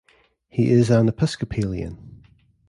He is an Episcopalian.